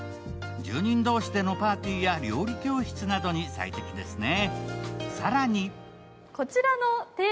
住人同士でのパーティーや料理教室などに最適ですね。